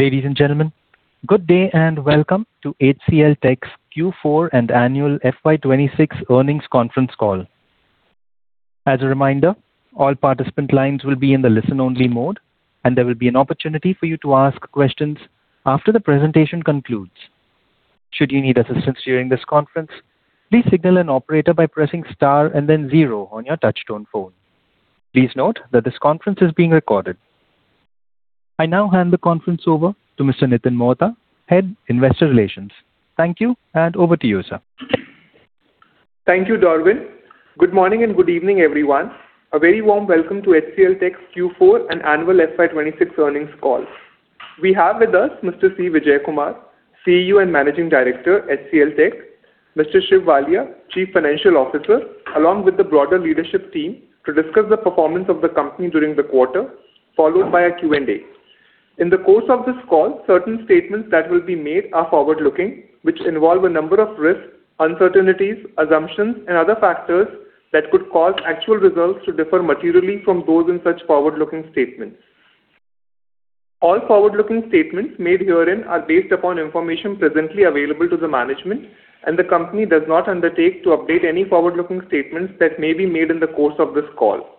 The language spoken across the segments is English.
Ladies and gentlemen, good day and welcome to HCLTech's Q4 and annual FY 2026 earnings conference call. As a reminder, all participant lines will be in the listen-only mode, and there will be an opportunity for you to ask questions after the presentation concludes. Should you need assistance during this conference, please signal an operator by pressing star and then zero on your touch-tone phone. Please note that this conference is being recorded. I now hand the conference over to Mr. Nitin Mohta, Head, Investor Relations. Thank you, and over to you, sir. Thank you, Darwin. Good morning and good evening, everyone. A very warm welcome to HCLTech's Q4 and annual FY 2026 earnings call. We have with us Mr. C. Vijayakumar, CEO and Managing Director, HCLTech, Mr. Shiv Walia, Chief Financial Officer, along with the broader leadership team to discuss the performance of the company during the quarter, followed by a Q&A. In the course of this call, certain statements that will be made are forward-looking, which involve a number of risks, uncertainties, assumptions and other factors that could cause actual results to differ materially from those in such forward-looking statements. All forward-looking statements made herein are based upon information presently available to the management, and the company does not undertake to update any forward-looking statements that may be made in the course of this call.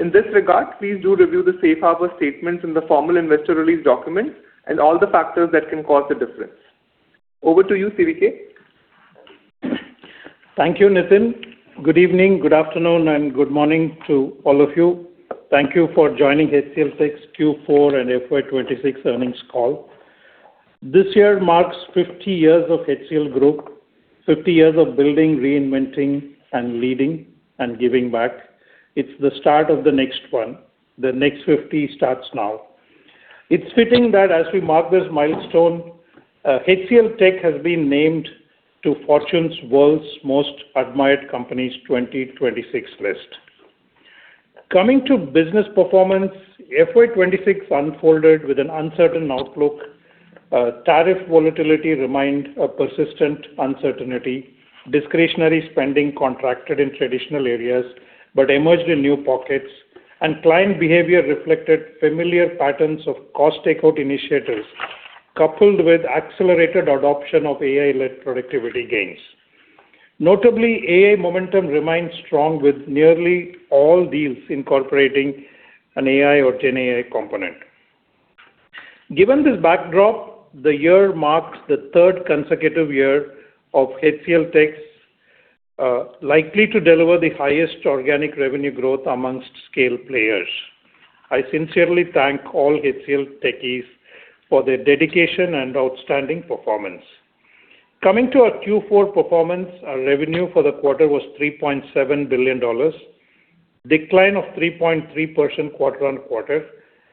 In this regard, please do review the safe harbor statements in the formal investor release document and all the factors that can cause a difference. Over to you, CVK. Thank you, Nitin. Good evening, good afternoon, and good morning to all of you. Thank you for joining HCLTech's Q4 and FY 2026 earnings call. This year marks 50 years of HCL Group, 50 years of building, reinventing and leading and giving back. It's the start of the next one. The next 50 starts now. It's fitting that as we mark this milestone, HCLTech has been named to Fortune's World's Most Admired Companies 2026 list. Coming to business performance, FY 2026 unfolded with an uncertain outlook. Tariff volatility remained a persistent uncertainty. Discretionary spending contracted in traditional areas but emerged in new pockets, and client behavior reflected familiar patterns of cost takeout initiatives, coupled with accelerated adoption of AI-led productivity gains. Notably, AI momentum remains strong with nearly all deals incorporating an AI or GenAI component. Given this backdrop, the year marks the third consecutive year of HCLTech is likely to deliver the highest organic revenue growth amongst scale players. I sincerely thank all HCL Techies for their dedication and outstanding performance. Coming to our Q4 performance, our revenue for the quarter was $3.7 billion, decline of 3.3% quarter-on-quarter,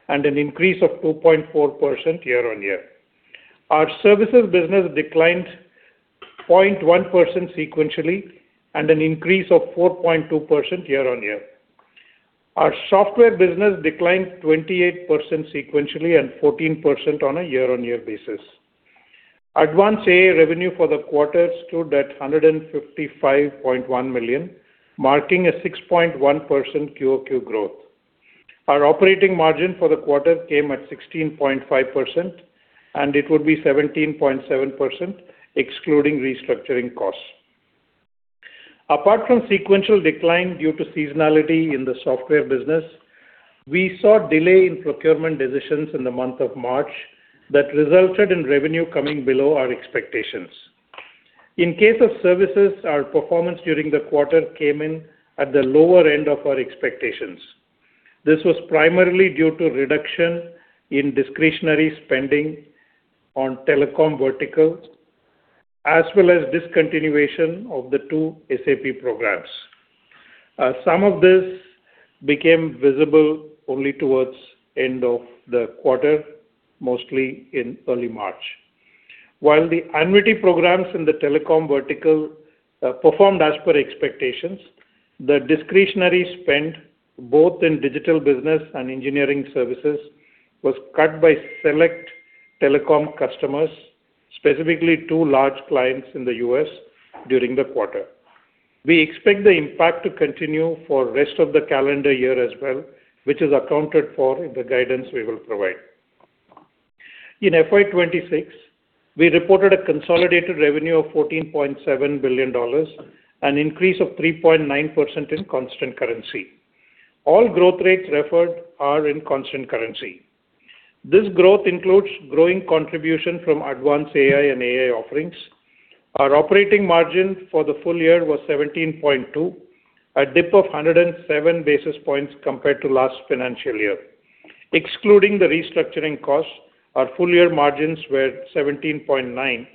and an increase of 2.4% year-on-year. Our services business declined 0.1% sequentially and an increase of 4.2% year-on-year. Our software business declined 28% sequentially and 14% on a year-on-year basis. Advanced AI revenue for the quarter stood at $155.1 million, marking a 6.1% QoQ growth. Our operating margin for the quarter came at 16.5%, and it would be 17.7% excluding restructuring costs. Apart from sequential decline due to seasonality in the software business, we saw delay in procurement decisions in the month of March that resulted in revenue coming below our expectations. In case of services, our performance during the quarter came in at the lower end of our expectations. This was primarily due to reduction in discretionary spending on telecom verticals as well as discontinuation of the two SAP programs. Some of this became visible only towards end of the quarter, mostly in early March. While the annuity programs in the telecom vertical performed as per expectations, the discretionary spend both in digital business and engineering services was cut by select telecom customers, specifically two large clients in the U.S. during the quarter. We expect the impact to continue for rest of the calendar year as well, which is accounted for in the guidance we will provide. In FY 2026, we reported a consolidated revenue of $14.7 billion, an increase of 3.9% in constant currency. All growth rates referred are in constant currency. This growth includes growing contribution from advanced AI and AI offerings. Our operating margin for the full year was 17.2%, a dip of 107 basis points compared to last financial year. Excluding the restructuring costs, our full year margins were 17.9%,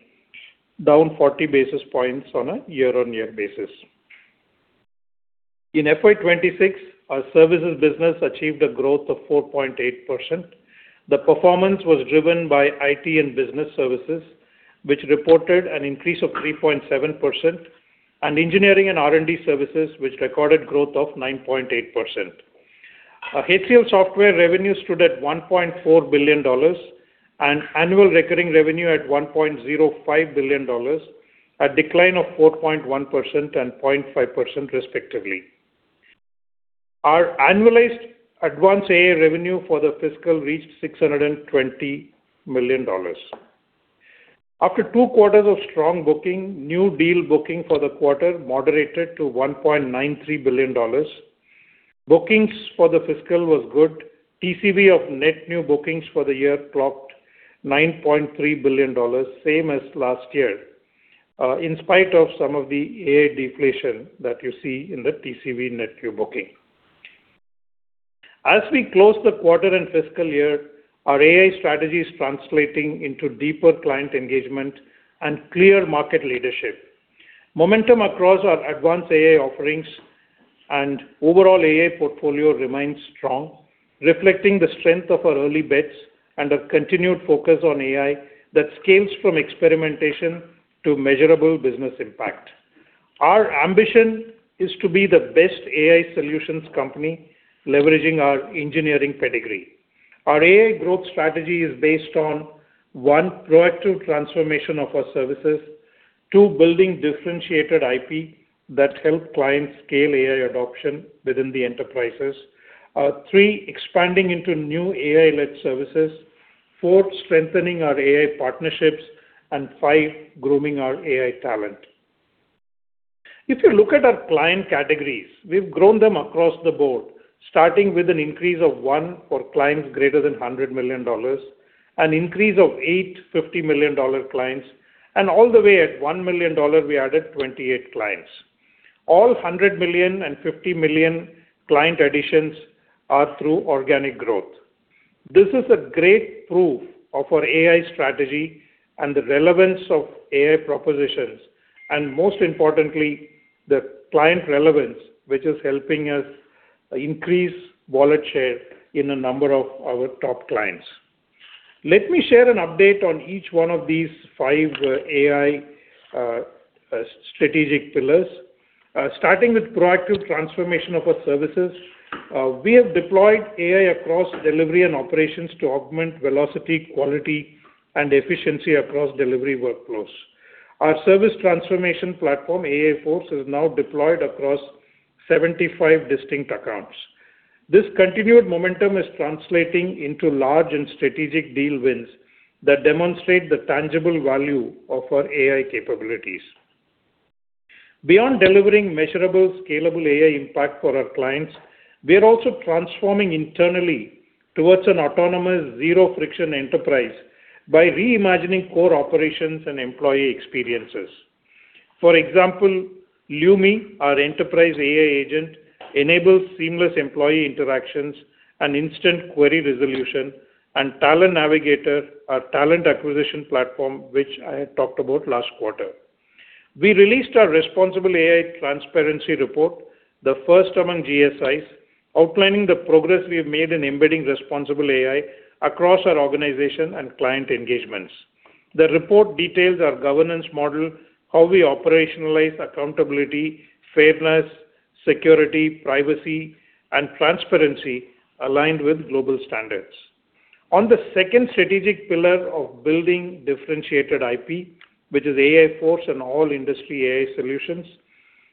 down 40 basis points on a year-on-year basis. In FY 2026, our services business achieved a growth of 4.8%. The performance was driven by IT and Business Services, which reported an increase of 3.7%, and Engineering and R&D Services, which recorded growth of 9.8%. Our HCLSoftware revenue stood at $1.4 billion and annual recurring revenue at $1.05 billion, a decline of 4.1% and 0.5% respectively. Our annualized advanced AI revenue for the fiscal reached $620 million. After two quarters of strong booking, new deal booking for the quarter moderated to $1.93 billion. Bookings for the fiscal was good. TCV of net new bookings for the year clocked $9.3 billion, same as last year, in spite of some of the AI deflation that you see in the TCV net new booking. As we close the quarter and fiscal year, our AI strategy is translating into deeper client engagement and clear market leadership. Momentum across our advanced AI offerings and overall AI portfolio remains strong, reflecting the strength of our early bets and a continued focus on AI that scales from experimentation to measurable business impact. Our ambition is to be the best AI solutions company, leveraging our engineering pedigree. Our AI growth strategy is based on, one, proactive transformation of our services. Two, building differentiated IP that help clients scale AI adoption within the enterprises. Three, expanding into new AI-led services. Four, strengthening our AI partnerships, and five, grooming our AI talent. If you look at our client categories, we've grown them across the board, starting with an increase of one for clients greater than $100 million, an increase of eight $50 million clients, and all the way at $1 million, we added 28 clients. All $100 million and $50 million client additions are through organic growth. This is a great proof of our AI strategy and the relevance of AI propositions, and most importantly, the client relevance, which is helping us increase wallet share in a number of our top clients. Let me share an update on each one of these five AI strategic pillars. Starting with proactive transformation of our services. We have deployed AI across delivery and operations to augment velocity, quality, and efficiency across delivery workflows. Our service transformation platform, AI Force, is now deployed across 75 distinct accounts. This continued momentum is translating into large and strategic deal wins that demonstrate the tangible value of our AI capabilities. Beyond delivering measurable, scalable AI impact for our clients, we are also transforming internally towards an autonomous zero-friction enterprise by reimagining core operations and employee experiences. For example, Lumi, our enterprise AI agent, enables seamless employee interactions and instant query resolution, and Talent Navigator, our talent acquisition platform, which I had talked about last quarter. We released our responsible AI transparency report, the first among GSIs, outlining the progress we have made in embedding responsible AI across our organization and client engagements. The report details our governance model, how we operationalize accountability, fairness, security, privacy, and transparency aligned with global standards. On the second strategic pillar of building differentiated IP, which is AI Force and all industry AI solutions,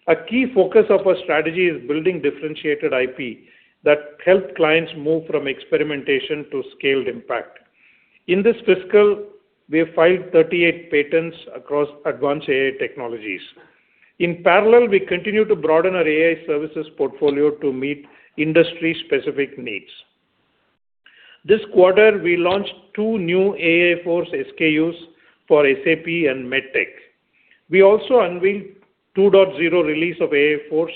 a key focus of our strategy is building differentiated IP that help clients move from experimentation to scaled impact. In this fiscal, we have filed 38 patents across advanced AI technologies. In parallel, we continue to broaden our AI services portfolio to meet industry-specific needs. This quarter, we launched two new AI Force SKUs for SAP and MedTech. We also unveiled 2.0 release of AI Force,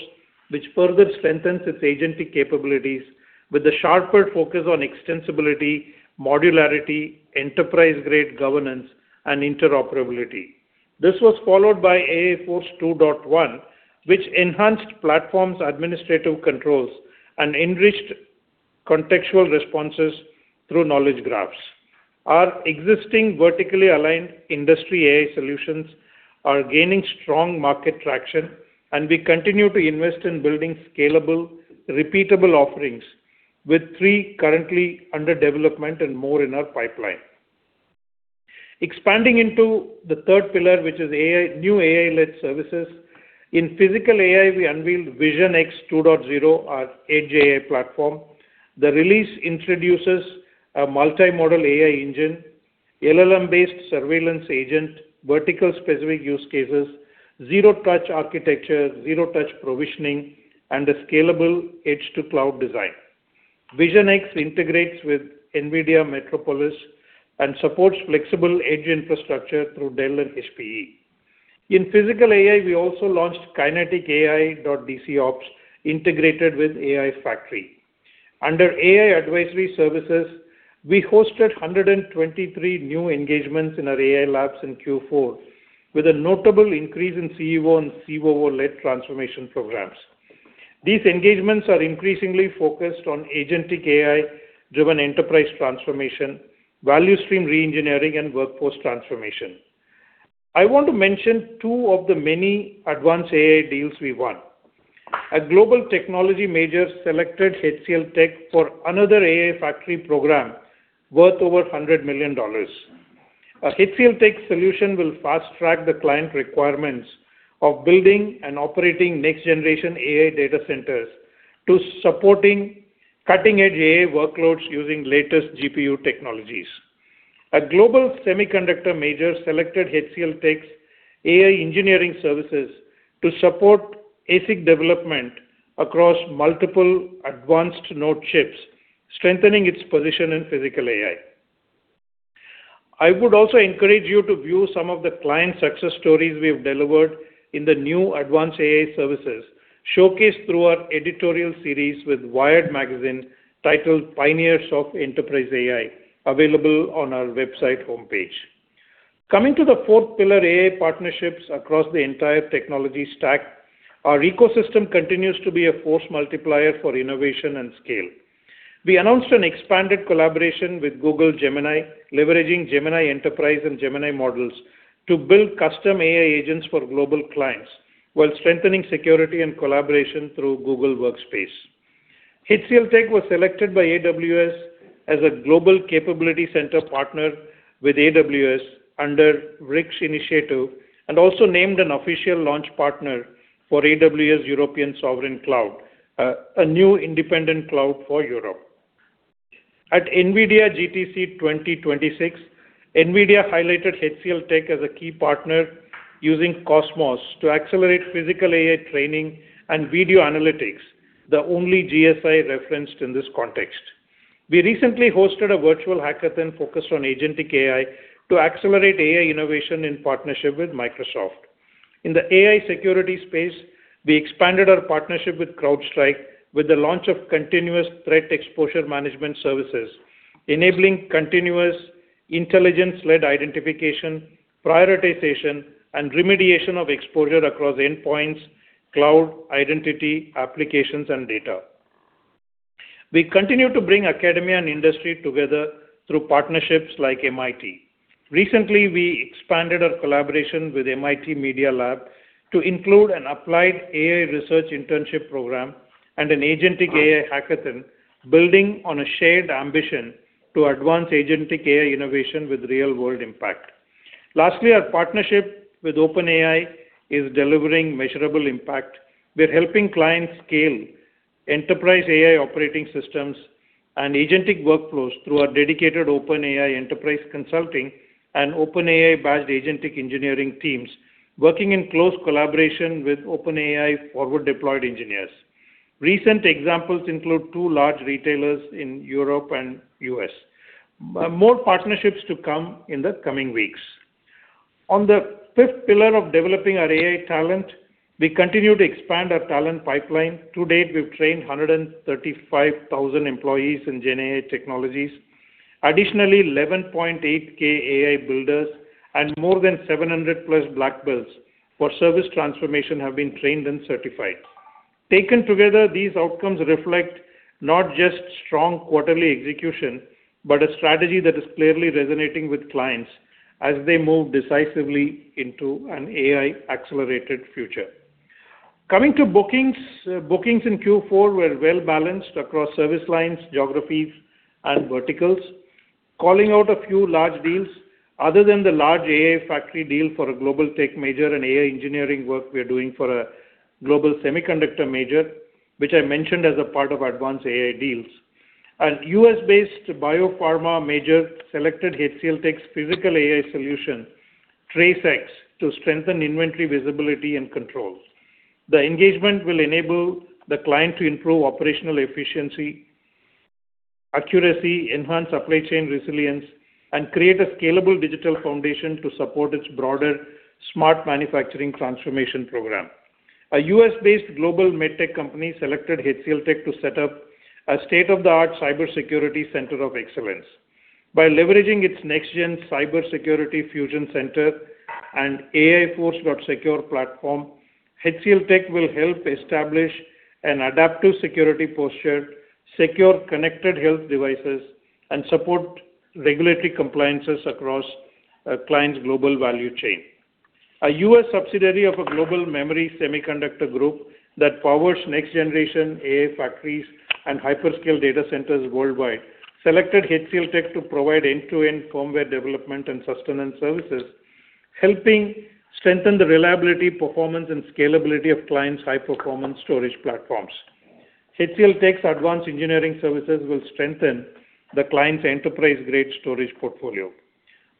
which further strengthens its agency capabilities with a sharper focus on extensibility, modularity, enterprise-grade governance, and interoperability. This was followed by AI Force 2.1, which enhanced platform's administrative controls and enriched contextual responses through knowledge graphs. Our existing vertically aligned industry AI solutions are gaining strong market traction, and we continue to invest in building scalable, repeatable offerings with three currently under development and more in our pipeline. Expanding into the third pillar, which is new AI-led services. In physical AI, we unveiled VisionX 2.0, our edge AI platform. The release introduces a multi-model AI engine, LLM-based surveillance agent, vertical specific use cases, zero-touch architecture, zero-touch provisioning, and a scalable edge-to-cloud design. VisionX integrates with NVIDIA Metropolis and supports flexible edge infrastructure through Dell and HPE. In physical AI, we also launched Kinetic AI.DCOps integrated with AI Factory. Under AI advisory services, we hosted 123 new engagements in our AI labs in Q4, with a notable increase in CEO and COO-led transformation programs. These engagements are increasingly focused on agentic AI-driven enterprise transformation, value stream re-engineering, and workforce transformation. I want to mention two of the many advanced AI deals we won. A global technology major selected HCLTech for another AI Factory program worth over $100 million. A HCLTech solution will fast-track the client requirements of building and operating next-generation AI data centers to supporting cutting-edge AI workloads using the latest GPU technologies. A global semiconductor major selected HCLTech's AI engineering services to support ASIC development across multiple advanced node chips, strengthening its position in physical AI. I would also encourage you to view some of the client success stories we have delivered in the new advanced AI services, showcased through our editorial series with Wired magazine, titled Pioneers of Enterprise AI, available on our website homepage. Coming to the fourth pillar, AI partnerships across the entire technology stack. Our ecosystem continues to be a force multiplier for innovation and scale. We announced an expanded collaboration with Google Gemini, leveraging Gemini Enterprise and Gemini models to build custom AI agents for global clients, while strengthening security and collaboration through Google Workspace. HCLTech was selected by AWS as a global capability center partner with AWS under the RIC Initiative, and also named an official launch partner for AWS European Sovereign Cloud, a new independent cloud for Europe. At NVIDIA GTC 2026, NVIDIA highlighted HCLTech as a key partner using Cosmos to accelerate physical AI training and video analytics, the only GSI referenced in this context. We recently hosted a virtual hackathon focused on agentic AI to accelerate AI innovation in partnership with Microsoft. In the AI security space, we expanded our partnership with CrowdStrike with the launch of continuous threat exposure management services, enabling continuous intelligence-led identification, prioritization, and remediation of exposure across endpoints, cloud, identity applications, and data. We continue to bring academia and industry together through partnerships like MIT. Recently, we expanded our collaboration with MIT Media Lab to include an applied AI research internship program and an agentic AI hackathon, building on a shared ambition to advance agentic AI innovation with real-world impact. Lastly, our partnership with OpenAI is delivering measurable impact. We're helping clients scale enterprise AI operating systems and agentic workflows through our dedicated OpenAI enterprise consulting and OpenAI-based agentic engineering teams working in close collaboration with OpenAI forward-deployed engineers. Recent examples include two large retailers in Europe and the U.S. More partnerships to come in the coming weeks. On the fifth pillar of developing our AI talent, we continue to expand our talent pipeline. To date, we've trained 135,000 employees in GenAI technologies. Additionally, 11,800 AI builders and more than 700 black belts for service transformation have been trained and certified. Taken together, these outcomes reflect not just strong quarterly execution, but a strategy that is clearly resonating with clients as they move decisively into an AI-accelerated future. Coming to bookings. Bookings in Q4 were well-balanced across service lines, geographies, and verticals. Calling out a few large deals. Other than the large AI Factory deal for a global tech major, an AI engineering work we are doing for a global semiconductor major, which I mentioned as a part of advanced AI deals. A U.S.-based biopharma major selected HCLTech's physical AI solution, TraceX, to strengthen inventory visibility and controls. The engagement will enable the client to improve operational efficiency, accuracy, enhance supply chain resilience, and create a scalable digital foundation to support its broader smart manufacturing transformation program. A U.S.-based global MedTech company selected HCLTech to set up a state-of-the-art cybersecurity center of excellence. By leveraging its next-gen cybersecurity fusion center and AI Force Secure platform, HCLTech will help establish an adaptive security posture, secure connected health devices, and support regulatory compliances across a client's global value chain. A U.S. subsidiary of a global memory semiconductor group that powers next-generation AI factories and hyperscale data centers worldwide selected HCLTech to provide end-to-end firmware development and sustenance services, helping strengthen the reliability, performance, and scalability of clients' high-performance storage platforms. HCLTech's advanced engineering services will strengthen the client's enterprise-grade storage portfolio.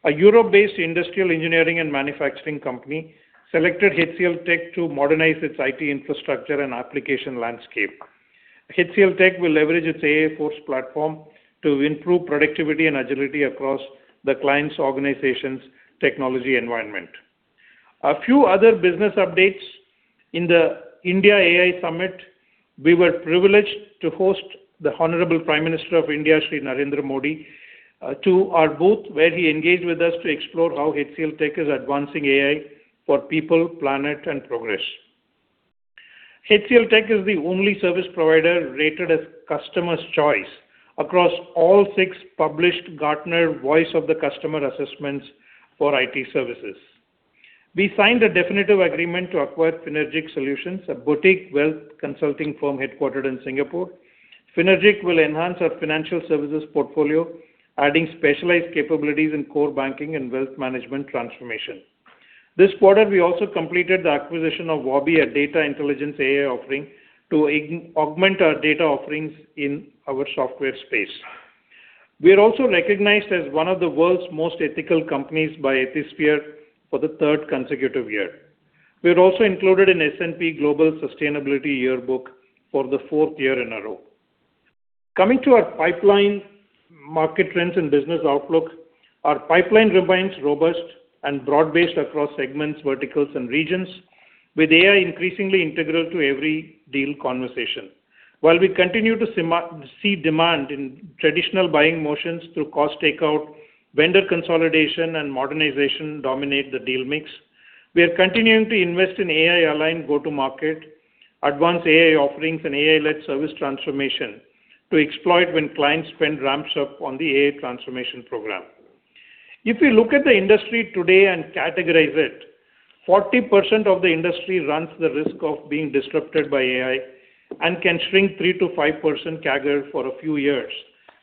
A Europe-based industrial engineering and manufacturing company selected HCLTech to modernize its IT infrastructure and application landscape. HCLTech will leverage its AI Force platform to improve productivity and agility across the client's organization's technology environment. A few other business updates. In the India AI Summit, we were privileged to host the Honorable Prime Minister of India, Shri Narendra Modi, to our booth where he engaged with us to explore how HCLTech is advancing AI for people, planet, and progress. HCLTech is the only service provider rated as customers' choice across all six published Gartner Voice of the Customer Assessments for IT services. We signed a definitive agreement to acquire Finergic Solutions, a boutique wealth consulting firm headquartered in Singapore. Finergic will enhance our financial services portfolio, adding specialized capabilities in core banking and wealth management transformation. This quarter, we also completed the acquisition of Wobby, a data intelligence AI offering, to augment our data offerings in our software space. We are also recognized as one of the world's most ethical companies by Ethisphere for the third consecutive year. We are also included in S&P Global Sustainability Yearbook for the fourth year in a row. Coming to our pipeline market trends and business outlook. Our pipeline remains robust and broad-based across segments, verticals, and regions, with AI increasingly integral to every deal conversation. While we continue to see demand in traditional buying motions through cost takeout, vendor consolidation, and modernization dominate the deal mix, we are continuing to invest in AI-aligned go-to-market, advanced AI offerings, and AI-led service transformation to exploit when client spend ramps up on the AI transformation program. If you look at the industry today and categorize it, 40% of the industry runs the risk of being disrupted by AI and can shrink 3%-5% CAGR for a few years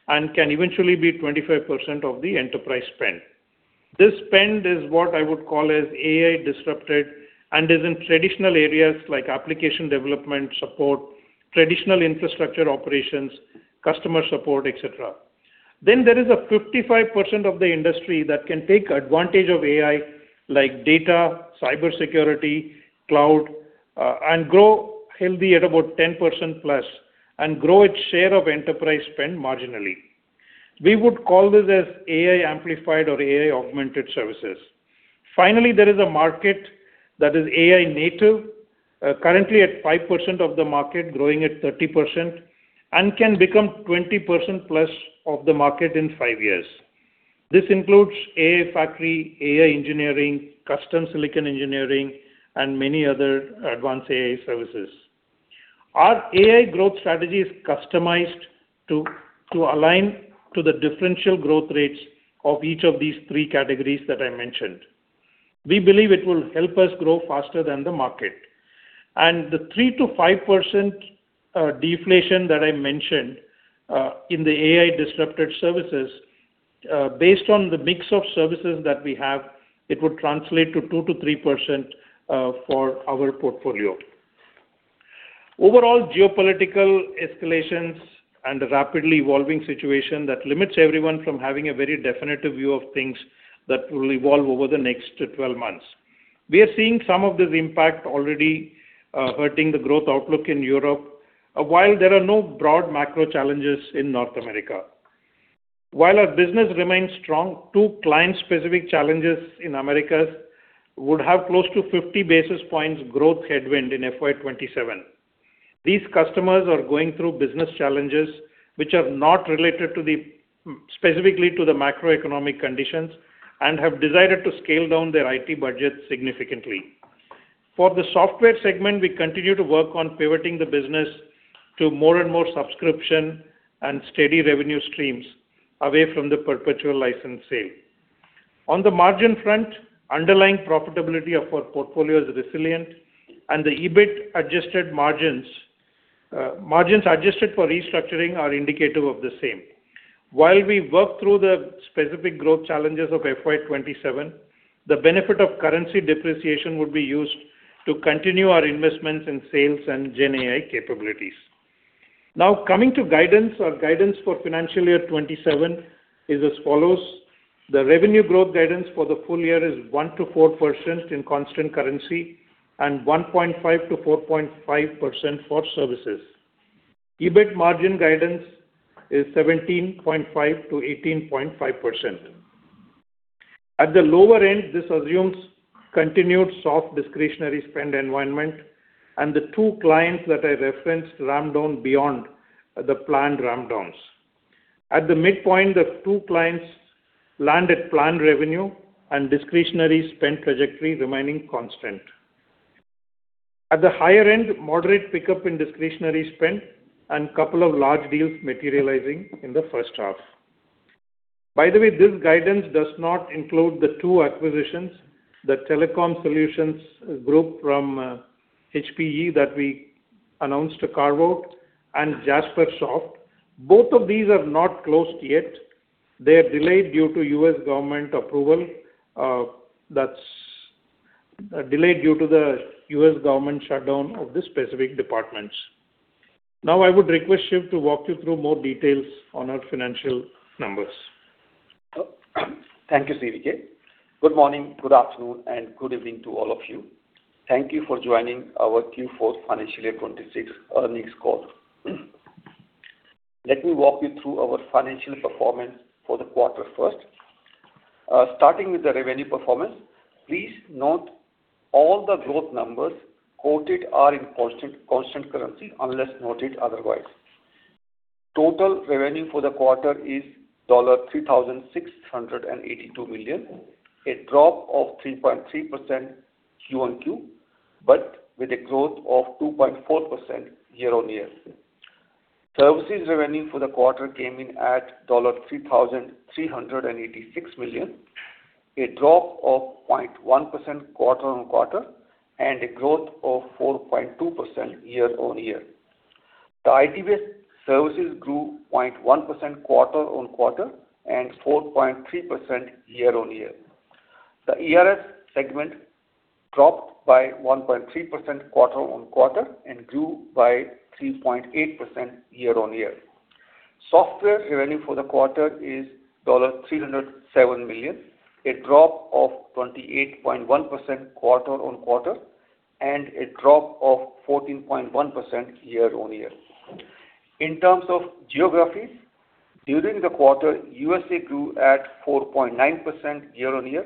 and can eventually be 25% of the enterprise spend. This spend is what I would call as AI disrupted and is in traditional areas like application development support, traditional infrastructure operations, customer support, et cetera. There is a 55% of the industry that can take advantage of AI, like data, cybersecurity, cloud, and grow healthy at about 10%+ and grow its share of enterprise spend marginally. We would call this as AI-amplified or AI-augmented services. Finally, there is a market that is AI native, currently at 5% of the market, growing at 30%, and can become 20%+ of the market in five years. This includes AI factory, AI engineering, custom silicon engineering, and many other advanced AI services. Our AI growth strategy is customized to align to the differential growth rates of each of these three categories that I mentioned. We believe it will help us grow faster than the market. The 3%-5% deflation that I mentioned in the AI-disrupted services, based on the mix of services that we have, it would translate to 2%-3% for our portfolio. Overall geopolitical escalations and a rapidly evolving situation that limits everyone from having a very definitive view of things that will evolve over the next 12 months. We are seeing some of this impact already hurting the growth outlook in Europe, while there are no broad macro challenges in North America. While our business remains strong, two client-specific challenges in Americas would have close to 50 basis points growth headwind in FY 2027. These customers are going through business challenges which are not related specifically to the macroeconomic conditions and have decided to scale down their IT budget significantly. For the software segment, we continue to work on pivoting the business to more and more subscription and steady revenue streams away from the perpetual license sale. On the margin front, underlying profitability of our portfolio is resilient, and the EBIT adjusted margins, margins adjusted for restructuring are indicative of the same. While we work through the specific growth challenges of FY 2027, the benefit of currency depreciation would be used to continue our investments in sales and GenAI capabilities. Now coming to guidance. Our guidance for FY 2027 is as follows. The revenue growth guidance for the full year is 1%-4% in constant currency and 1.5%-4.5% for services. EBIT margin guidance is 17.5%-18.5%. At the lower end, this assumes continued soft discretionary spend environment and the two clients that I referenced ramp down beyond the planned ramp downs. At the midpoint, the two clients land at planned revenue and discretionary spend trajectory remaining constant. At the higher end, moderate pickup in discretionary spend and couple of large deals materializing in the first half. By the way, this guidance does not include the two acquisitions, the telecom solutions group from HPE that we announced a carve-out and Jaspersoft. Both of these are not closed yet. They are delayed due to U.S. government approval. That's delayed due to the U.S. government shutdown of the specific departments. Now, I would request Shiv to walk you through more details on our financial numbers. Thank you, CVK. Good morning, good afternoon, and good evening to all of you. Thank you for joining our Q4 FY 2026 earnings call. Let me walk you through our financial performance for the quarter first. Starting with the revenue performance. Please note all the growth numbers quoted are in constant currency, unless noted otherwise. Total revenue for the quarter is $3,682 million, a drop of 3.3% QoQ, but with a growth of 2.4% year-on-year. Services revenue for the quarter came in at $3,386 million, a drop of 0.1% quarter-on-quarter, and a growth of 4.2% year-on-year. The IT and Business Services grew 0.1% quarter-on-quarter and 4.3% year-on-year. The ERS segment dropped by 1.3% quarter-on-quarter and grew by 3.8% year-on-year. Software revenue for the quarter is $307 million, a drop of 28.1% quarter-on-quarter, and a drop of 14.1% year-on-year. In terms of geographies, during the quarter, U.S. grew at 4.9% year-on-year,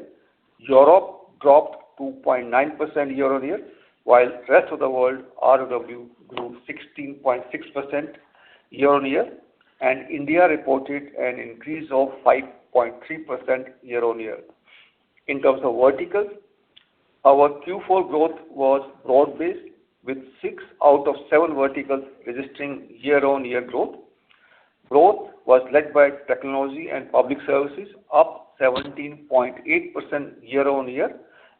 Europe dropped 2.9% year-on-year, while rest of the world, ROW, grew 16.6% year-on-year, and India reported an increase of 5.3% year-on-year. In terms of verticals, our Q4 growth was broad-based with six out of seven verticals registering year-on-year growth. Growth was led by technology and public services, up 17.8% year-on-year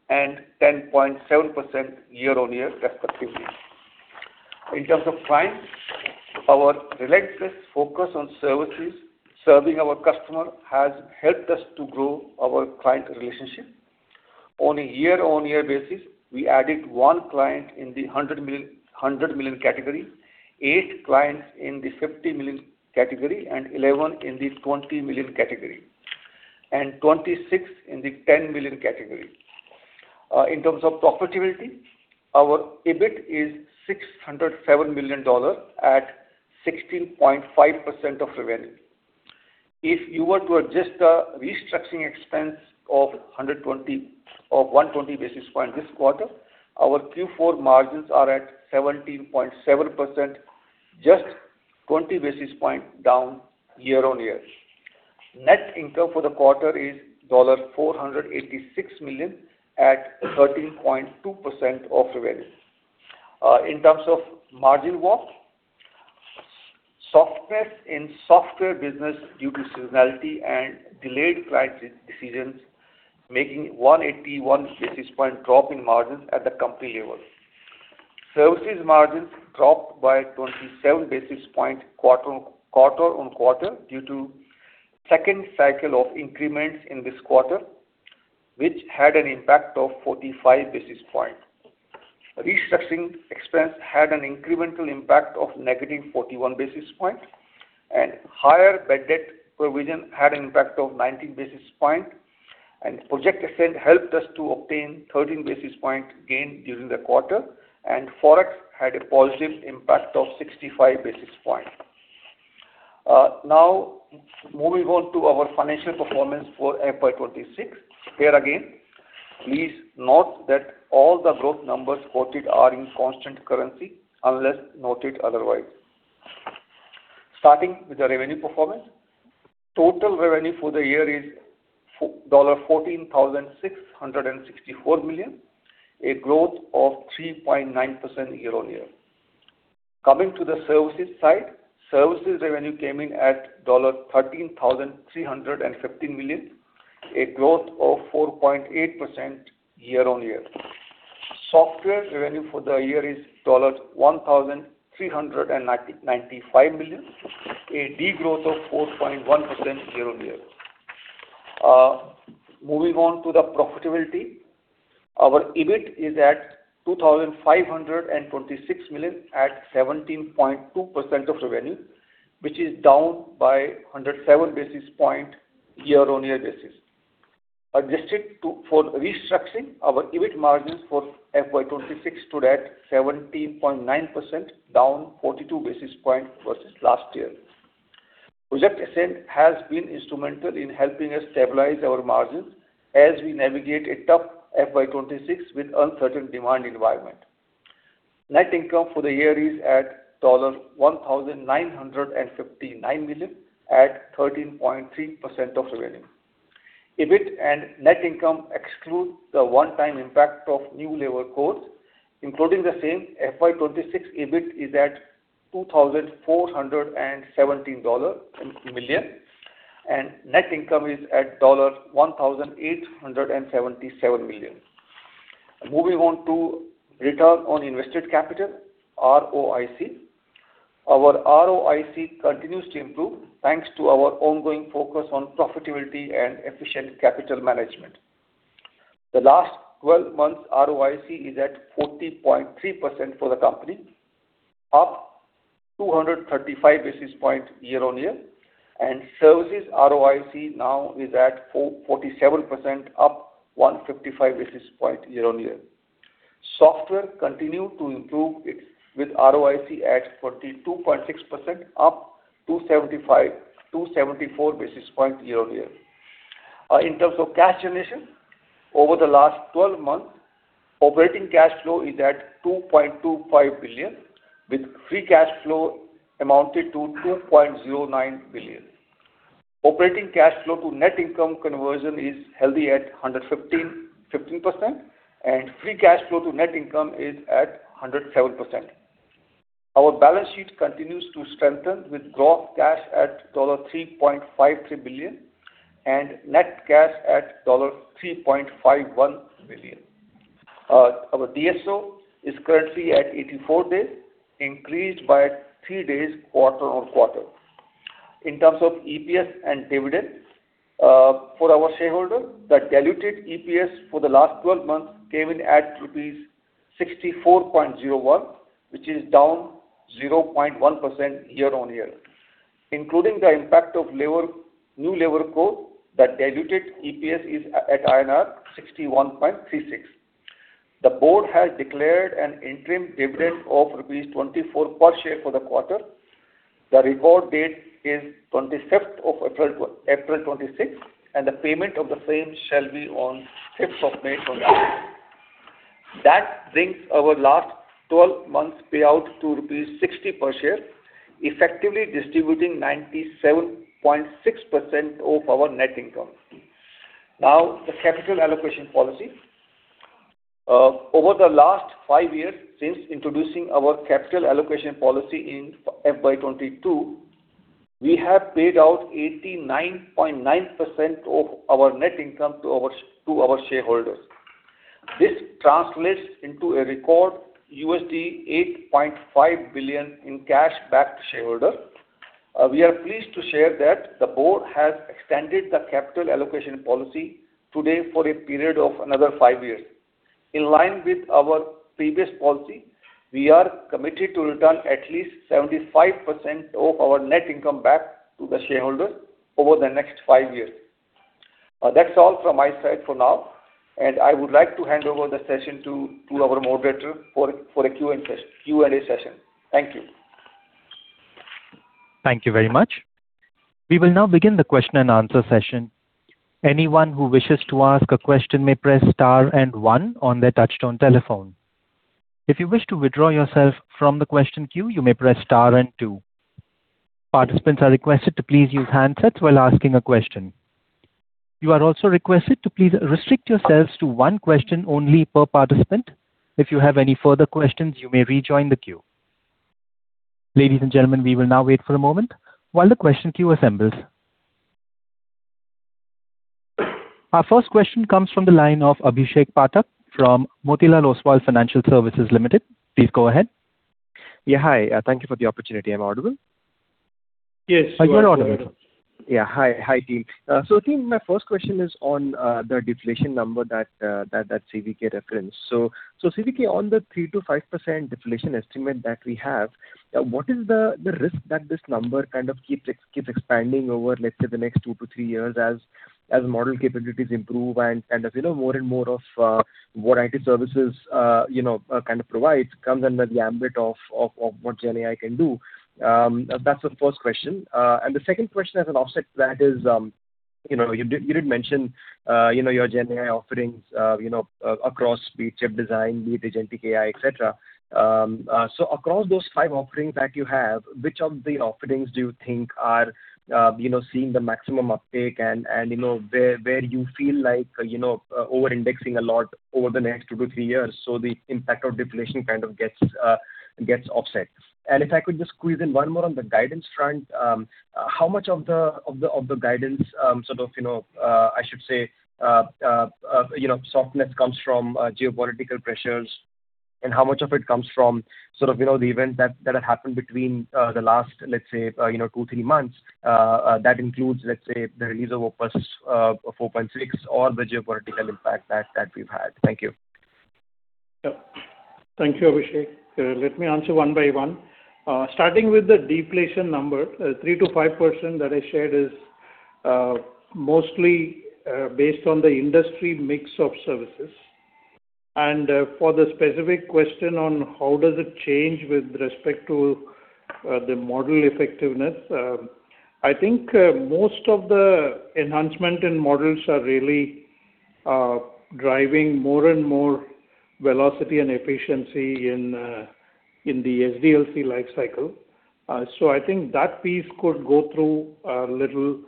and 10.7% year-on-year respectively. In terms of clients, our relentless focus on services serving our customer has helped us to grow our client relationship. On a year-on-year basis, we added one client in the $100 million category, eight clients in the $50 million category and 11 in the $20 million category, and 26 in the $10 million category. In terms of profitability, our EBIT is $607 million at 16.5% of revenue. If you were to adjust the restructuring expense of 120 basis points this quarter, our Q4 margins are at 17.7%, just 20 basis point down year-on-year. Net income for the quarter is $486 million at 13.2% of revenue. In terms of margin walk, softness in software business due to seasonality and delayed client decisions, making 181 basis point drop in margins at the company level. Services margins dropped by 27 basis point quarter-on-quarter due to second cycle of increments in this quarter, which had an impact of 45 basis point. Restructuring expense had an incremental impact of -41 basis point, and higher bad debt provision had an impact of 19 basis point, and Project Ascent helped us to obtain 13 basis point gain during the quarter, and Forex had a positive impact of 65 basis point. Now, moving on to our financial performance for FY 2026. Here again, please note that all the growth numbers quoted are in constant currency, unless noted otherwise. Starting with the revenue performance. Total revenue for the year is $14,664 million, a growth of 3.9% year-on-year. Coming to the services side. Services revenue came in at $13,315 million, a growth of 4.8% year-on-year. Software revenue for the year is $1,395 million, a degrowth of 4.1% year-on-year. Moving on to the profitability. Our EBIT is at $2,526 million at 17.2% of revenue, which is down by 107 basis points year-on-year basis. Adjusted for restructuring, our EBIT margins for FY 2026 stood at 17.9%, down 42 basis points versus last year. Project Ascent has been instrumental in helping us stabilize our margins as we navigate a tough FY 2026 with uncertain demand environment. Net income for the year is at $1,959 million at 13.3% of revenue. EBIT and net income exclude the one-time impact of new labor codes. Including the same, FY 2026 EBIT is at $2,417 million, and net income is at $1,877 million. Moving on to return on invested capital, ROIC. Our ROIC continues to improve thanks to our ongoing focus on profitability and efficient capital management. The last 12 months ROIC is at 40.3% for the company, up 235 basis points year-on-year, and services ROIC now is at 47%, up 155 basis points year-on-year. Software continued to improve with ROIC at 42.6%, up 274 basis points year-on-year. In terms of cash generation, over the last 12 months, operating cash flow is at $2.25 billion with free cash flow amounted to $2.09 billion. Operating cash flow to net income conversion is healthy at 115%, and free cash flow to net income is at 107%. Our balance sheet continues to strengthen with gross cash at $3.53 billion and net cash at $3.51 billion. Our DSO is currently at 84 days, increased by three days quarter-on-quarter. In terms of EPS and dividends for our shareholder, the diluted EPS for the last 12 months came in at rupees 64.01, which is down 0.1% year-on-year. Including the impact of new labor code, the diluted EPS is at INR 61.36. The board has declared an interim dividend of rupees 24 per share for the quarter. The record date is April 26th, and the payment of the same shall be on 6th of May 2024. That brings our last 12 months payout to rupees 60 per share, effectively distributing 97.6% of our net income. Now, the capital allocation policy. Over the last five years, since introducing our capital allocation policy in FY 2022, we have paid out 89.9% of our net income to our shareholders. This translates into a record $8.5 billion in cash back to shareholders. We are pleased to share that the board has extended the capital allocation policy today for a period of another five years. In line with our previous policy, we are committed to return at least 75% of our net income back to the shareholder over the next five years. That's all from my side for now, and I would like to hand over the session to our moderator for a Q&A session. Thank you. Thank you very much. We will now begin the question-and-answer session. Anyone who wishes to ask a question may press star and one on their touch-tone telephone. If you wish to withdraw yourself from the question queue, you may press star and two. Participants are requested to please use handsets while asking a question. You are also requested to please restrict yourselves to one question only per participant. If you have any further questions, you may rejoin the queue. Ladies and gentlemen, we will now wait for a moment while the question queue assembles. Our first question comes from the line of Abhishek Pathak from Motilal Oswal Financial Services Limited. Please go ahead. Yeah. Hi. Thank you for the opportunity. Am I audible? Yes. You are audible. Yeah. Hi, team. Team, my first question is on the deflation number that CVK referenced. CVK, on the 3%-5% deflation estimate that we have, what is the risk that this number kind of keeps expanding over, let's say, the next two to three years as model capabilities improve and as more and more of what IT services kind of provide comes under the ambit of what GenAI can do? That's the first question. The second question, as an offset to that is, you did mention your GenAI offerings across be it chip design, be it agentic AI, et cetera. Across those five offerings that you have, which of the offerings do you think are seeing the maximum uptake and where you feel like over-indexing a lot over the next two to three years so the impact of deflation kind of gets offset? If I could just squeeze in one more on the guidance front. How much of the guidance, sort of, I should say, softness comes from geopolitical pressures and how much of it comes from the event that had happened between the last, let's say, two, three months? That includes, let's say, the release of Opus 4.6 or the geopolitical impact that we've had. Thank you. Thank you, Abhishek. Let me answer one by one. Starting with the deflation number, 3%-5% that I shared is mostly based on the industry mix of services. For the specific question on how does it change with respect to the model effectiveness, I think most of the enhancement in models are really driving more and more velocity and efficiency in the SDLC life cycle. I think that piece could go through a little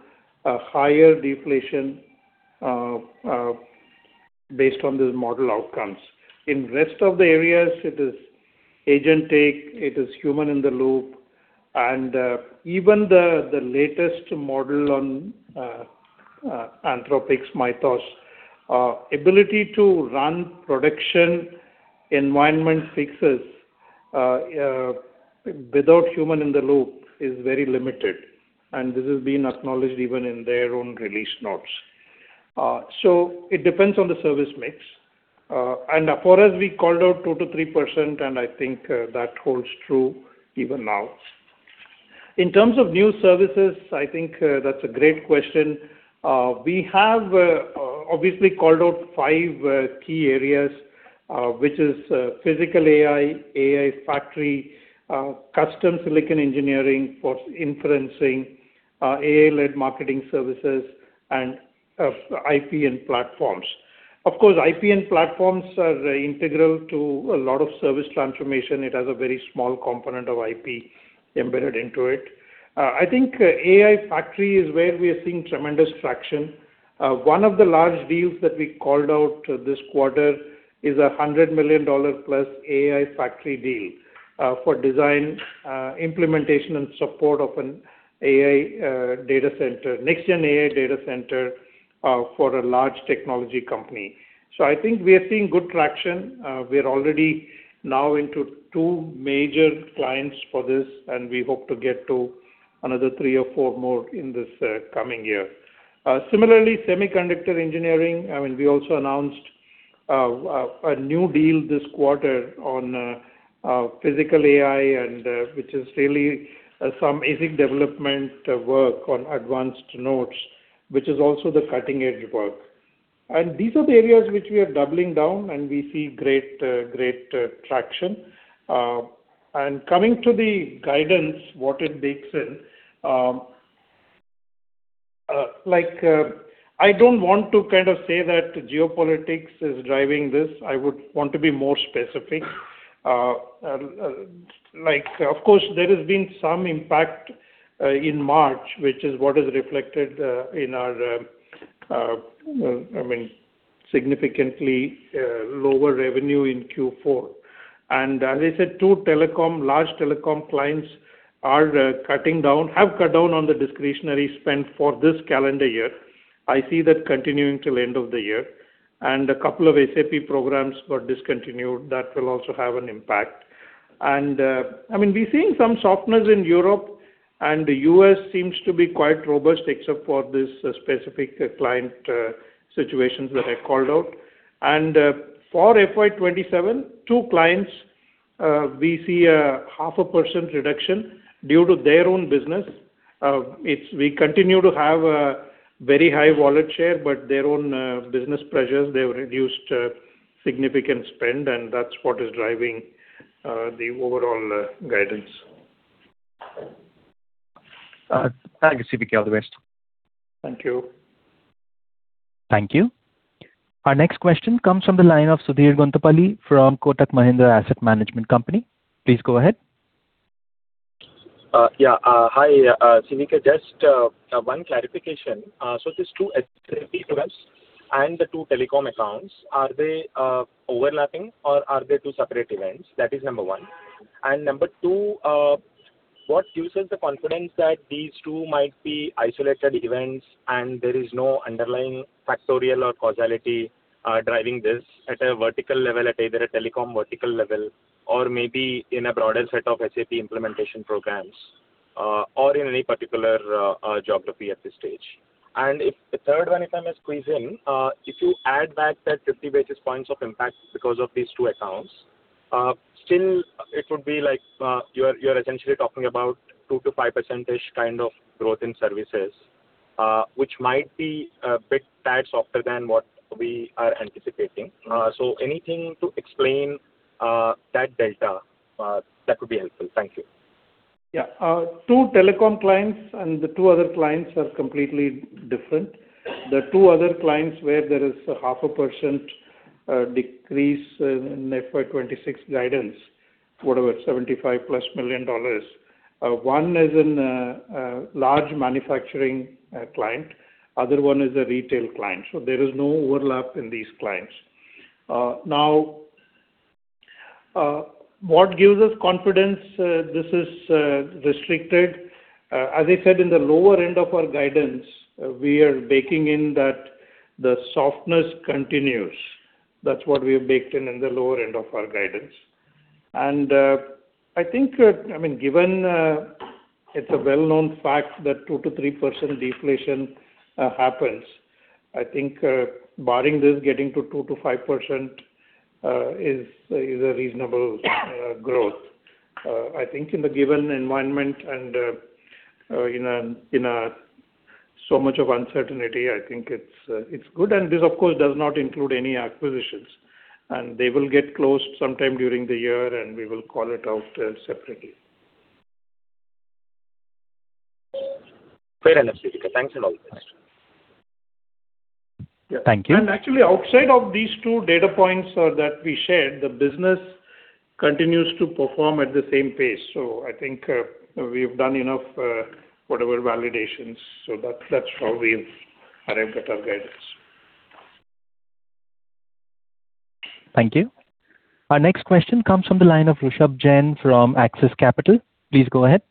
higher deflation based on the model outcomes. In rest of the areas it is agentic, it is human in the loop, and even the latest model on Anthropic's Mythos ability to run production environment fixes without human in the loop is very limited, and this is being acknowledged even in their own release notes. It depends on the service mix. For us, we called out 2%-3%, and I think that holds true even now. In terms of new services, I think that's a great question. We have obviously called out five key areas, which is physical AI Factory, custom silicon engineering for inferencing, AI-led marketing services, and IP and platforms. Of course, IP and platforms are integral to a lot of service transformation. It has a very small component of IP embedded into it. I think AI Factory is where we are seeing tremendous traction. One of the large deals that we called out this quarter is a $100 million+ AI Factory deal for design, implementation, and support of a next-gen AI data center for a large technology company. I think we are seeing good traction. We're already now into two major clients for this, and we hope to get to another three or four more in this coming year. Similarly, semiconductor engineering, we also announced a new deal this quarter on physical AI, which is really some ASIC development work on advanced nodes, which is also the cutting-edge work. These are the areas which we are doubling down and we see great traction. Coming to the guidance, what it bakes in. I don't want to say that geopolitics is driving this. I would want to be more specific. Of course, there has been some impact in March, which is what is reflected in our significantly lower revenue in Q4. As I said, two large telecom clients have cut down on the discretionary spend for this calendar year. I see that continuing till end of the year. A couple of SAP programs were discontinued. That will also have an impact. We're seeing some softness in Europe, and the U.S. seems to be quite robust, except for this specific client situations that I called out. For FY 2027, two clients, we see a 0.5% reduction due to their own business. We continue to have a very high wallet share, but their own business pressures, they've reduced significant spend and that's what is driving the overall guidance. Thank you, CVK. All the best. Thank you. Thank you. Our next question comes from the line of Sudheer Guntupalli from Kotak Mahindra Asset Management Company. Please go ahead. Yeah. Hi, CVK, just one clarification. These two SAP events and the two telecom accounts, are they overlapping or are they two separate events? That is number one. Number two, what gives us the confidence that these two might be isolated events and there is no underlying factorial or causality driving this at a vertical level at either a telecom vertical level or maybe in a broader set of SAP implementation programs or in any particular geography at this stage? A third one, if I may squeeze in, if you add back that 50 basis points of impact because of these two accounts, still it would be like you're essentially talking about 2%-5% kind of growth in services, which might be a tad bit softer than what we are anticipating. Anything to explain that delta, that would be helpful. Thank you. Yeah. Two telecom clients and the two other clients are completely different. The two other clients where there is a 0.5% decrease in FY 2026 guidance, whatever, $75+ million. One is a large manufacturing client, other one is a retail client. There is no overlap in these clients. Now, what gives us confidence this is restricted? As I said, in the lower end of our guidance, we are baking in that the softness continues. That's what we have baked in in the lower end of our guidance. I think, given it's a well-known fact that 2%-3% deflation happens, I think barring this, getting to 2%-5% is a reasonable growth. I think in the given environment and in so much of uncertainty, I think it's good. This, of course, does not include any acquisitions. They will get closed sometime during the year and we will call it out separately. Fair enough, CVK. Thanks and all the best. Yeah. Thank you. Actually, outside of these two data points that we shared, the business continues to perform at the same pace. I think we have done enough whatever validations. That's how we've arrived at our guidance. Thank you. Our next question comes from the line of Rushabh Jain from Axis Capital. Please go ahead.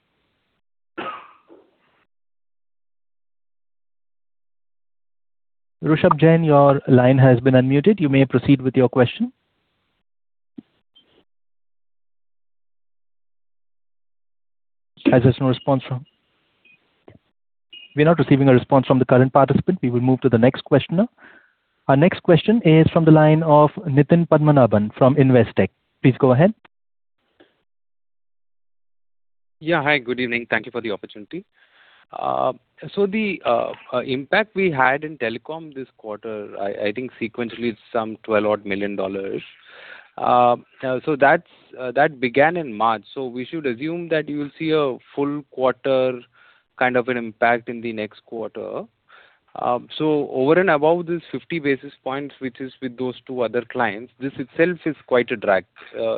Rushabh Jain, your line has been unmuted. You may proceed with your question. As there's no response. We're not receiving a response from the current participant. We will move to the next questioner. Our next question is from the line of Nitin Padmanabhan from Investec. Please go ahead. Yeah. Hi, good evening. Thank you for the opportunity. The impact we had in telecom this quarter, I think sequentially it's some $12-odd million. That began in March, so we should assume that you will see a full quarter kind of an impact in the next quarter. Over and above this 50 basis points, which is with those two other clients, this itself is quite a drag.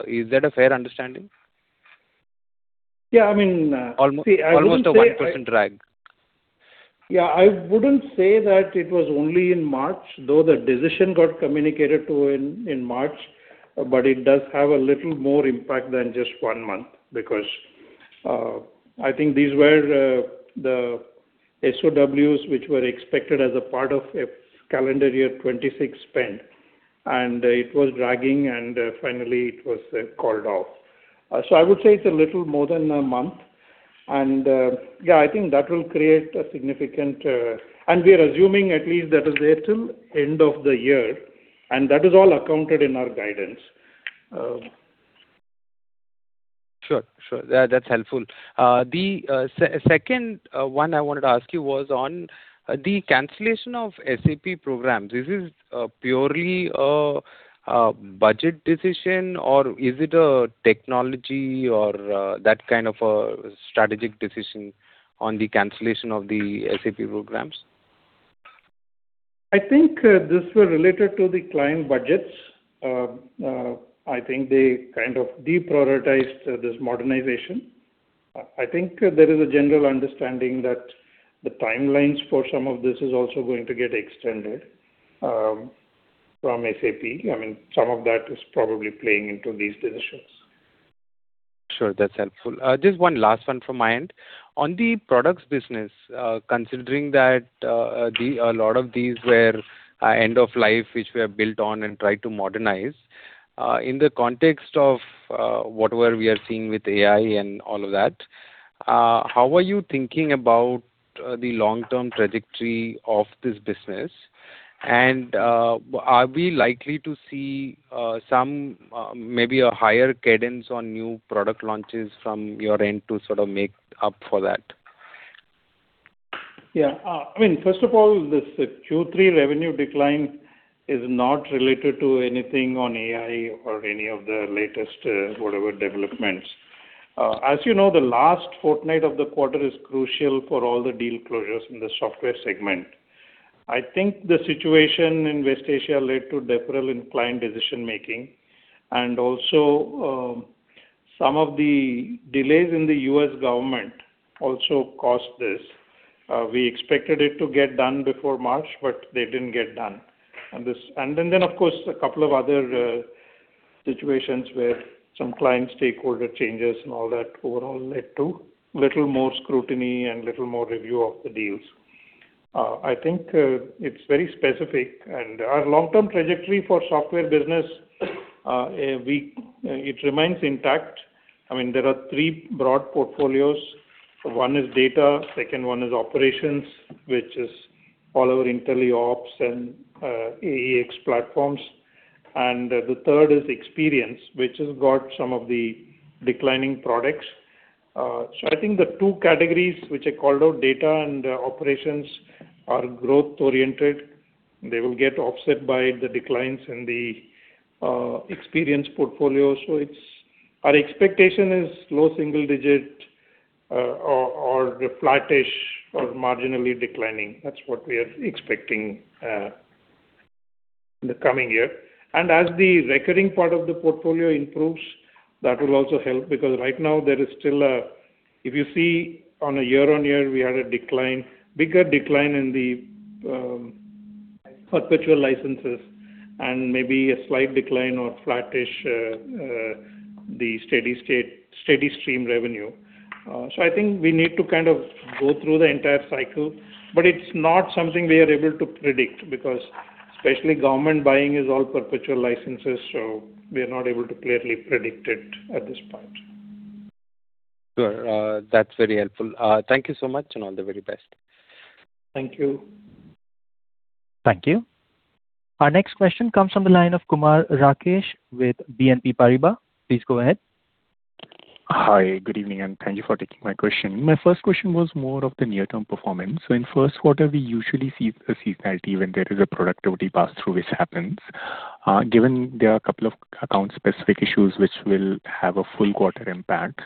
Is that a fair understanding? Yeah. Almost a 1% drag. Yeah. I wouldn't say that it was only in March, though the decision got communicated in March, but it does have a little more impact than just one month because I think these were the SOWs which were expected as a part of calendar year 2026 spend, and it was dragging and finally it was called off. I would say it's a little more than a month. Yeah, I think that will create a significant impact, and we are assuming at least that is there till end of the year, and that is all accounted for in our guidance. Sure. That's helpful. The second one I wanted to ask you was on the cancellation of SAP program. This is purely a budget decision or is it a technology or that kind of a strategic decision on the cancellation of the SAP programs? I think this was related to the client budgets. I think they kind of deprioritized this modernization. I think there is a general understanding that the timelines for some of this is also going to get extended from SAP. Some of that is probably playing into these decisions. Sure. That's helpful. Just one last one from my end. On the products business, considering that a lot of these were end of life, which were built on and tried to modernize. In the context of whatever we are seeing with AI and all of that, how are you thinking about the long-term trajectory of this business and are we likely to see maybe a higher cadence on new product launches from your end to sort of make up for that? Yeah. First of all, this Q3 revenue decline is not related to anything on AI or any of the latest whatever developments. As you know, the last fortnight of the quarter is crucial for all the deal closures in the software segment. I think the situation in West Asia led to deferral in client decision-making, and also some of the delays in the U.S. government also caused this. We expected it to get done before March, but they didn't get done. Of course, a couple of other situations where some client stakeholder changes and all that overall led to little more scrutiny and little more review of the deals. I think it's very specific, and our long-term trajectory for software business, it remains intact. There are three broad portfolios. One is data, second one is operations, which is all our IntelliOps and AEX platforms. The third is experience, which has got some of the declining products. I think the two categories which I called out, data and operations, are growth oriented. They will get offset by the declines in the experience portfolio. Our expectation is low single digit or flattish or marginally declining. That's what we are expecting in the coming year. As the recurring part of the portfolio improves, that will also help because right now there is still. If you see on a year-over-year, we had a bigger decline in the perpetual licenses and maybe a slight decline or flattish the steady stream revenue. I think we need to kind of go through the entire cycle, but it's not something we are able to predict because especially government buying is all perpetual licenses, so we are not able to clearly predict it at this point. Sure. That's very helpful. Thank you so much, and all the very best. Thank you. Thank you. Our next question comes from the line of Kumar Rakesh with BNP Paribas. Please go ahead. Hi. Good evening, and thank you for taking my question. My first question was more of the near-term performance. In first quarter, we usually see a seasonality when there is a productivity pass-through which happens, given there are a couple of account-specific issues which will have a full quarter impact.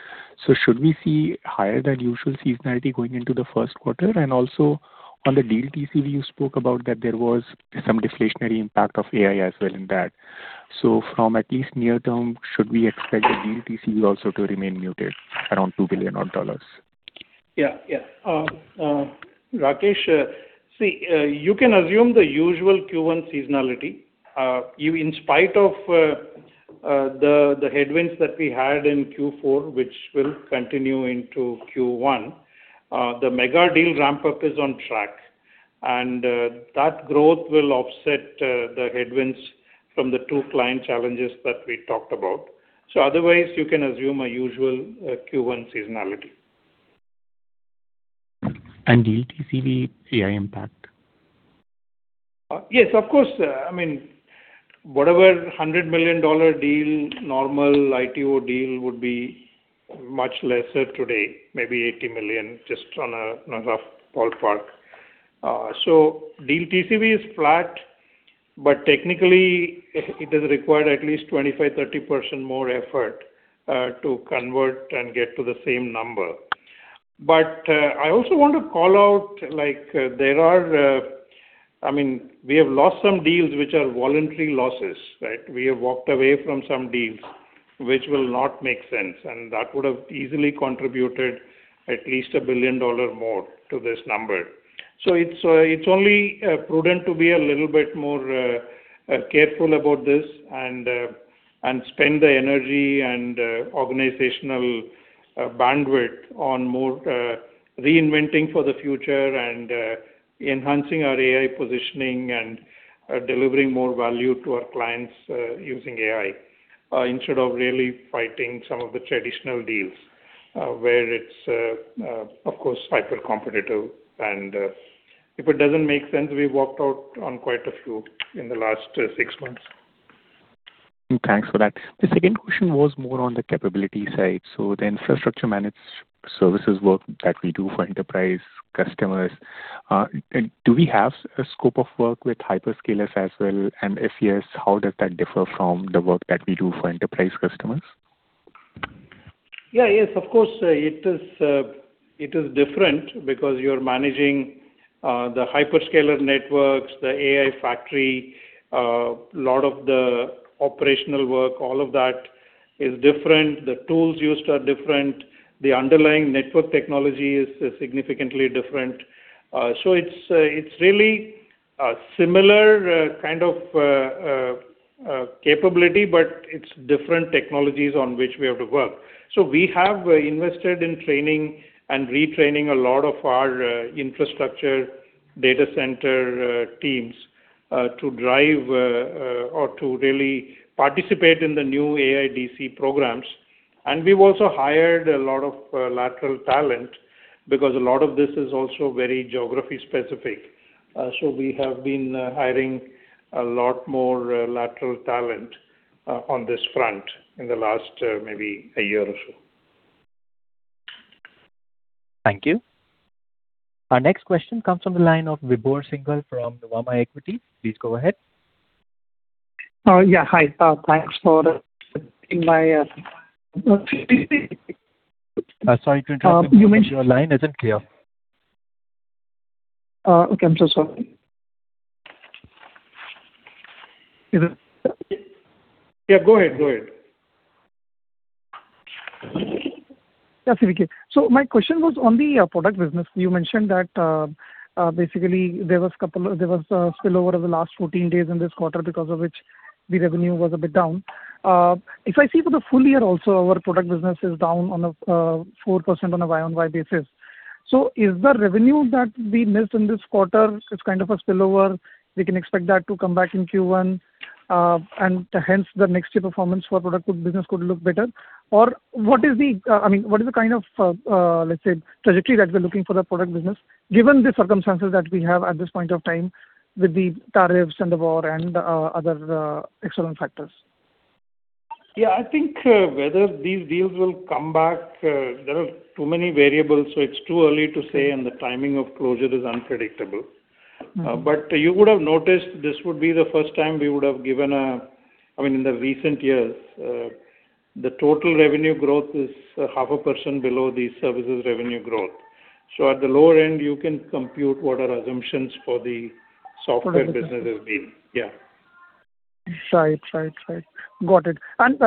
Should we see higher than usual seasonality going into the first quarter? Also on the deal TCV you spoke about that there was some deflationary impact of AI as well in that. From at least near term should we expect the deal TCV also to remain muted around $2 billion? Yeah. Rakesh, see, you can assume the usual Q1 seasonality. In spite of the headwinds that we had in Q4, which will continue into Q1, the mega deal ramp-up is on track. And that growth will offset the headwinds from the two client challenges that we talked about. Otherwise, you can assume a usual Q1 seasonality. Deal TCV AI impact? Yes, of course. Whatever $100 million deal normal ITO deal would be much lesser today, maybe $80 million just on a rough ballpark. Deal TCV is flat, but technically it has required at least 25%, 30% more effort to convert and get to the same number. I also want to call out, we have lost some deals which are voluntary losses. We have walked away from some deals which will not make sense, and that would have easily contributed at least $1 billion more to this number. It's only prudent to be a little bit more careful about this and spend the energy and organizational bandwidth on more reinventing for the future and enhancing our AI positioning and delivering more value to our clients using AI. Instead of really fighting some of the traditional deals where it's, of course, hyper competitive, and if it doesn't make sense, we walked out on quite a few in the last six months. Thanks for that. The second question was more on the capability side. The infrastructure managed services work that we do for enterprise customers, do we have a scope of work with hyperscalers as well? And if yes, how does that differ from the work that we do for enterprise customers? Yes, of course, it is different because you're managing the hyperscaler networks, the AI Factory, lot of the operational work, all of that is different. The tools used are different. The underlying network technology is significantly different. It's really a similar kind of capability, but it's different technologies on which we have to work. We have invested in training and retraining a lot of our infrastructure data center teams, to drive or to really participate in the new AIDC programs. We've also hired a lot of lateral talent because a lot of this is also very geography-specific. We have been hiring a lot more lateral talent on this front in the last maybe a year or so. Thank you. Our next question comes from the line of Vibhor Singhal from Nuvama Equity. Please go ahead. Yeah. Hi. Thanks for taking my. Sorry to interrupt you but your line isn't clear. Okay. I'm so sorry. Yeah, go ahead. My question was on the product business. You mentioned that, basically there was a spillover of the last 14 days in this quarter because of which the revenue was a bit down. If I see for the full year also, our product business is down 4% on a Y-o-Y basis. Is the revenue that we missed in this quarter kind of a spillover, we can expect that to come back in Q1, and hence the next year performance for product business could look better? Or what is the kind of, let's say, trajectory that we're looking for the product business, given the circumstances that we have at this point of time with the tariffs and the war and other external factors? Yeah. I think whether these deals will come back, there are too many variables, so it's too early to say and the timing of closure is unpredictable. You would have noticed this would be the first time we would have given. I mean, in the recent years, the total revenue growth is 0.5% below the services revenue growth. At the lower end you can compute what our assumptions for the software business has been. Yeah. Right. Got it.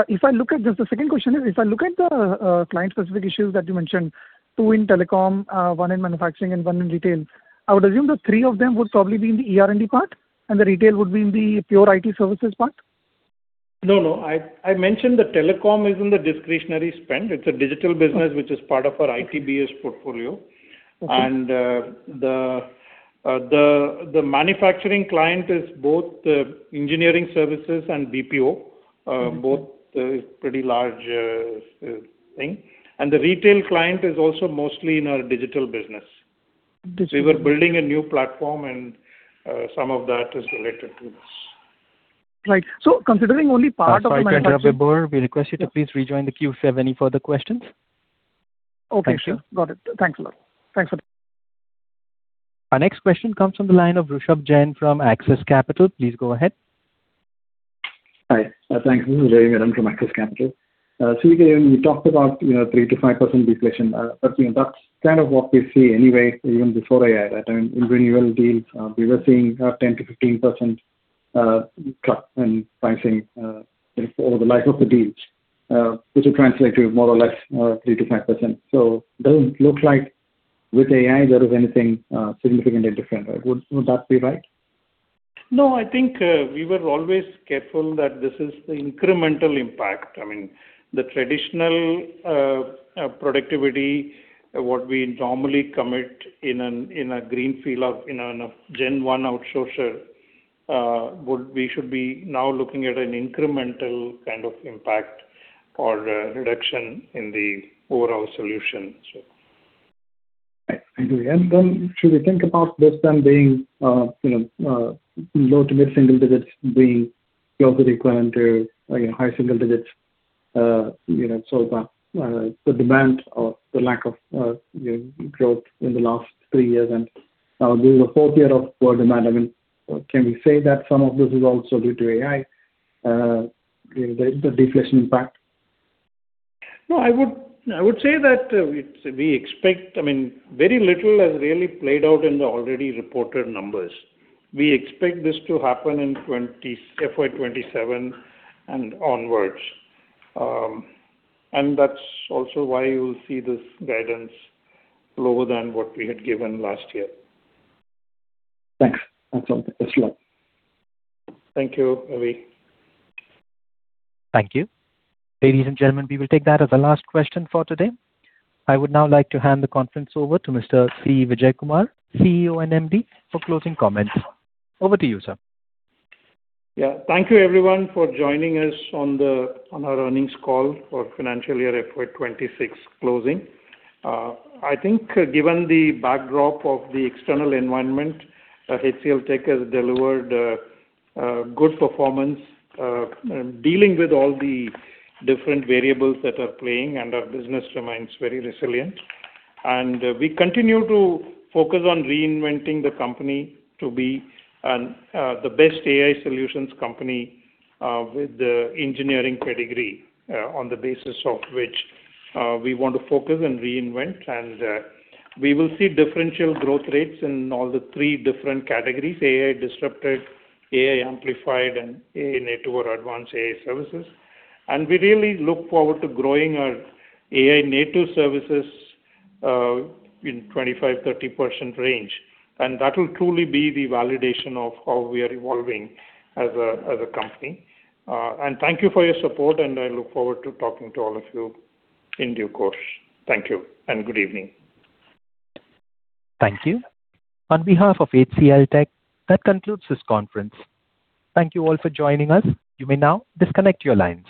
If I look at this, the second question is, if I look at the client-specific issues that you mentioned, two in telecom, one in manufacturing and one in retail, I would assume the three of them would probably be in the ER&D part and the retail would be in the pure IT services part? No, I mentioned the telecom is in the discretionary spend. It's a digital business which is part of our ITBS portfolio. Okay. The manufacturing client is both engineering services and BPO, both pretty large thing. The retail client is also mostly in our digital business. Digital. We're building a new platform and some of that is related to this. Right. Considering only part of the. Sorry to interrupt Vibhor. We request you to please rejoin the queue if you have any further questions. Okay, sure. Thanks. Got it. Thanks a lot. Our next question comes from the line of Rushabh Jain from Axis Capital. Please go ahead. Hi. Thanks. This is Rushabh Jain from Axis Capital. Even you talked about 3%-5% deflation, but that's kind of what we see anyway, even before AI, right? In renewal deals, we were seeing 10%-15% cut in pricing, over the life of the deals, which will translate to more or less 3%-5%. Doesn't look like with AI there is anything significantly different. Would that be right? No, I think we were always careful that this is the incremental impact. I mean, the traditional productivity, what we normally commit in a greenfield of gen one outsourcer, we should be now looking at an incremental kind of impact or reduction in the overall solution. Right. I agree. Should we think about this then being low to mid single digits being the opportunity going to high single digits? The demand or the lack of growth in the last three years and now this is the fourth year of poor demand. Can we say that some of this is also due to AI, the deflation impact? No, I would say that we expect very little has really played out in the already reported numbers. We expect this to happen in FY 2027 and onwards. That's also why you see this guidance lower than what we had given last year. Thanks. That's all. Thanks a lot. Thank you, Avi. Thank you. Ladies and gentlemen, we will take that as our last question for today. I would now like to hand the conference over to Mr. C. Vijayakumar, CEO and MD, for closing comments. Over to you, sir. Yeah. Thank you everyone for joining us on our earnings call for financial year FY 2026 closing. I think given the backdrop of the external environment, HCLTech has delivered a good performance dealing with all the different variables that are playing, and our business remains very resilient. We continue to focus on reinventing the company to be the best AI solutions company with the engineering pedigree, on the basis of which we want to focus and reinvent. We will see differential growth rates in all the three different categories, AI disrupted, AI amplified, and AI-native or advanced AI services. We really look forward to growing our AI-native services in 25%-30% range. That will truly be the validation of how we are evolving as a company. Thank you for your support, and I look forward to talking to all of you in due course. Thank you, and good evening. Thank you. On behalf of HCLTech, that concludes this conference. Thank you all for joining us. You may now disconnect your lines.